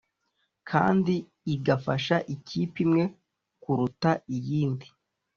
kandi igafasha ikipe imwe kuruta iyindi